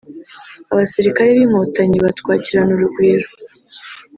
abasirikare b’inkotanyi batwakirana urugwiro